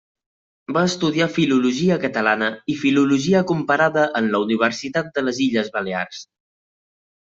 Va estudiar filologia catalana i filologia comparada en la Universitat de les Illes Balears.